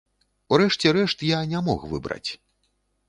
У рэшце рэшт, я не мог выбраць.